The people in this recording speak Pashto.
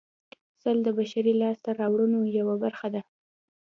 سل د بشري لاسته راوړنو یوه برخه ده